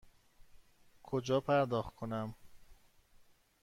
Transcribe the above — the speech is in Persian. کجا پرداخت کنم؟